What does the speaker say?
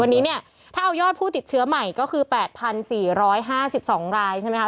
วันนี้เนี่ยถ้าเอายอดผู้ติดเชื้อใหม่ก็คือ๘๔๕๒รายใช่ไหมคะ